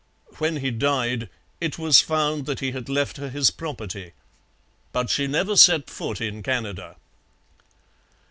When he died it was found that he had left her his property. But she never set foot in Canada.